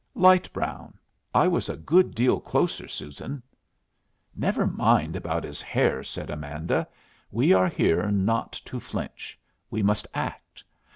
"Light brown. I was a good deal closer, Susan " "Never mind about his hair," said Amanda. "We are here not to flinch. We must act.